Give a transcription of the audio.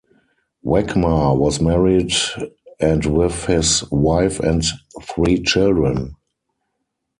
Wechmar was married and with his wife had three children.